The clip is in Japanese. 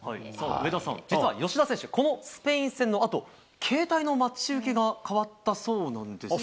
上田さん、実は吉田選手、このスペイン戦のあと、携帯の待ち受けが変わったそうなんですよ